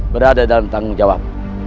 berada dalam tanggung jawab